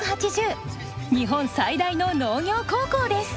日本最大の農業高校です。